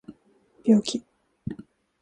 病気